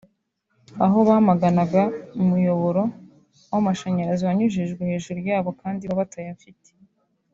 aho bamaganaga umuyoboro w’amashanyarazi wanyujijwe hejuru yabo kandi bo batayafite